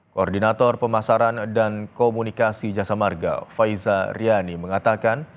koordinator pemasaran dan komunikasi jasa marga faiza riani mengatakan